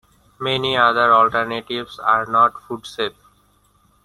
Many other alternatives are not food safe.